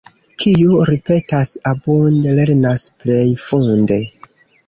Kiu ripetas abunde, lernas plej funde.